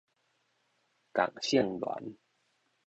仝性戀